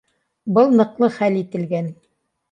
Был ныҡлы хәл ителгән